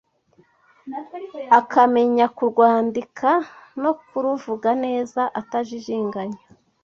akamenya kurwandika no kuruvuga neza atajijinganya